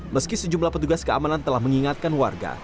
meski sejumlah petugas keamanan telah mengingatkan warga